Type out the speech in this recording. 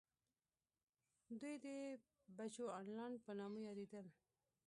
دوی د بچوانالنډ په نامه یادېدل.